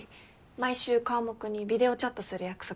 毎週火・木にビデオチャットする約束で。